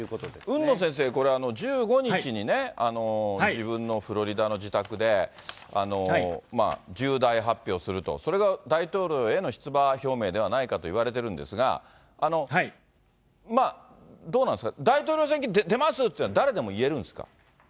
海野先生、これ１５日にね、自分のフロリダの自宅で重大発表すると、それが大統領への出馬表明ではないかといわれてるんですが、どうなんですか、大統領選挙に出ますというのは誰でも言えるんですか。